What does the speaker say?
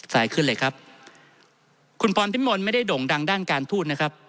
ขึ้นเลยครับคุณพรพิมลไม่ได้โด่งดังด้านการทูตนะครับ